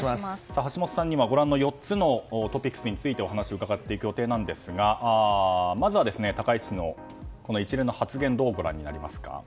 橋下さんには４つのトピックスについてお話を伺っていく予定ですがまずは高市氏のこの一連の発言をどうご覧になりますか。